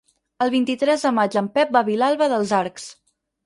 El vint-i-tres de maig en Pep va a Vilalba dels Arcs.